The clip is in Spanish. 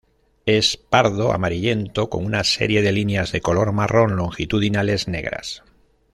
Es pardo amarillento con una serie de líneas de color marrón longitudinales negras.